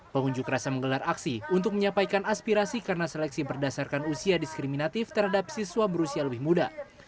pengunjuk rasa menggelar aksi untuk menyampaikan aspirasi karena seleksi berdasarkan usia diskriminatif terhadap siswa berusia lebih muda